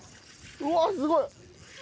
うわーすごい！